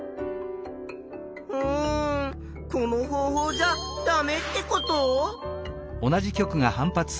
うんこの方法じゃダメってこと？